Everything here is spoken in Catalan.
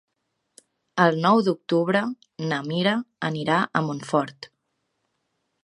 El nou d'octubre na Mira anirà a Montfort.